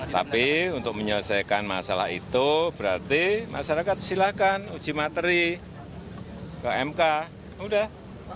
tapi untuk menyelesaikan masalah itu berarti masyarakat silakan uji materi ke mk sudah